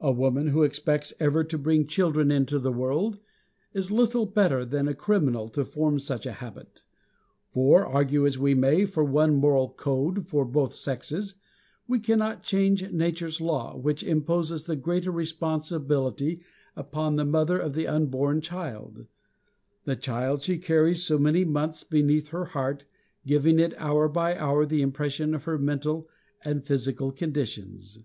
A woman who expects ever to bring children into the world, is little better than a criminal to form such a habit: for, argue as we may for one moral code for both sexes, we cannot change nature's law, which imposes the greater responsibility upon the mother of the unborn child; the child she carries so many months beneath her heart, giving it hour by hour the impression of her mental and physical conditions.